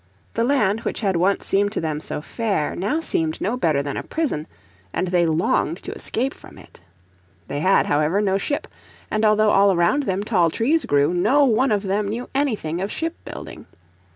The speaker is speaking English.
The land which had once seemed to them so fair now seemed no better than a prison, and they longed to escape from it. They had, however, no ship, and although all around them tall trees grew no one of them knew anything of ship building.